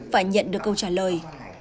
và nhận được câu trả lời